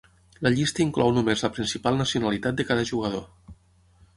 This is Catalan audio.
La llista inclou només la principal nacionalitat de cada jugador.